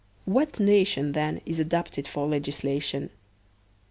What nation, then, is adapted for legislation